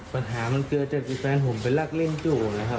ปัญหามันเกือบว่าแฟนผมไปลักเล่นชู้เลยครับ